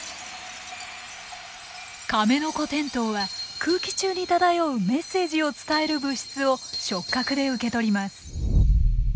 カメノコテントウは空気中に漂うメッセージを伝える物質を触角で受け取ります。